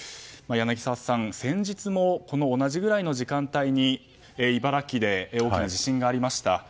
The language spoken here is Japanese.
柳澤さん、先日も同じぐらいの時間帯に茨城で大きな地震がありました。